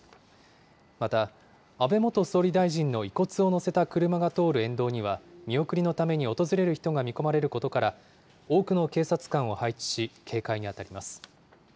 また安倍元総理大臣の遺骨を乗せた車が通る沿道には、見送りのために訪れる人が見込まれることから、多くの警察官を配置し、警戒に当たります。